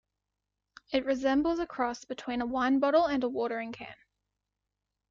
It resembles a cross between a wine bottle and a watering can.